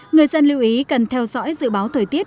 người dân lưu ý cần theo dõi dự báo thời tiết